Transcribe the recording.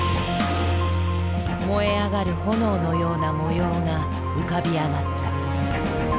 燃え上がる炎のような模様が浮かび上がった。